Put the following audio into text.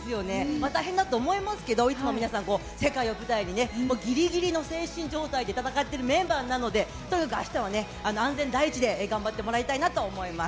まあ、大変だと思いますけど、いつも、皆さん、世界を舞台にね、ぎりぎりの精神状態で戦ってるメンバーなので、とにかくあしたは安全第一で頑張ってもらいたいなと思います。